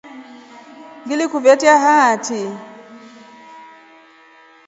Ngilekuvetia hatri.